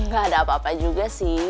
gak ada apa apa juga sih